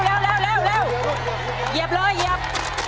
เหยียบเลยเหยียบ